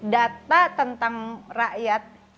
data tentang rakyat